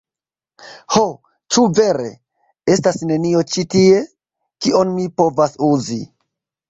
Ho, ĉu vere? Estas nenio ĉi tie? Kion mi povas uzi?